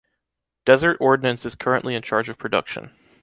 Desert Ordnance is currently in charge of production.